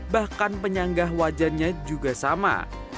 bahkan penyanggah wajannya juga sama